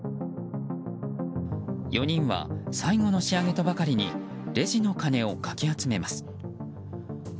４人は最後の仕上げとばかりにレジの金をかき集めます。